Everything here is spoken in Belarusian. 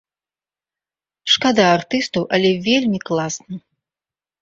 Шкада артыстаў, але вельмі класна!